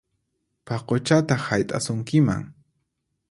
Paquchataq hayt'ayusunkiman!